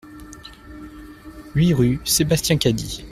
huit rue Sébastien Cady